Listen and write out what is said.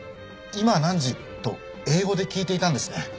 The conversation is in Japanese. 「今何時？」と英語で聞いていたんですね。